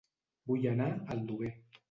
Vull anar a Aldover